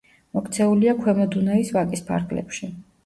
მოქცეულია ქვემო დუნაის ვაკის ფარგლებში.